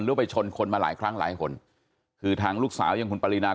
ไปชนคนมาหลายครั้งหลายคนคือทางลูกสาวอย่างคุณปรินา